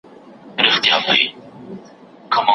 پخپله یې شلولې له ساحل سره دوستي ده